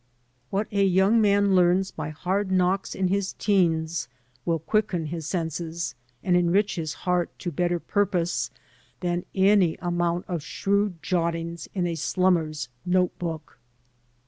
What a young 128 THE ETHICS OP THE BAR man learns by hard knocks in his teens will quicken his senses and enrich his heart to better purpose than any amount of shrewd jottings in a slummer's note book.